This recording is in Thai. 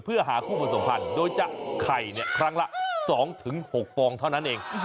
เพื่อหาคู่ประสงค์ภัณฑ์โดยจะไข่เนี่ยครั้งละ๒๖ปองเท่านั้นเอง